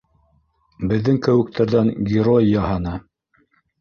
Беҙҙең кеүектәрҙән герой яһаны!